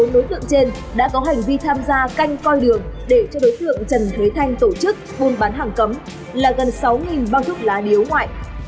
bốn đối tượng trên đã có hành vi tham gia canh coi đường để cho đối tượng trần thế thanh tổ chức buôn bán hàng cấm là gần sáu bao thuốc lá điếu ngoại